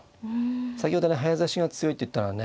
先ほどね早指しが強いって言ったのはね